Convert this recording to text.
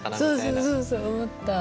そうそうそうそう思った。